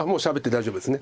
大丈夫です。